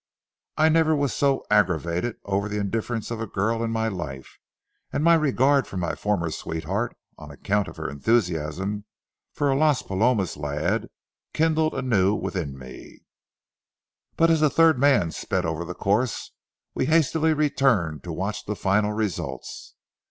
I never was so aggravated over the indifference of a girl in my life, and my regard for my former sweetheart, on account of her enthusiasm for a Las Palomas lad, kindled anew within me. [Illustration: HE SPED DOWN THE COURSE] But as the third man sped over the course, we hastily returned to watch the final results.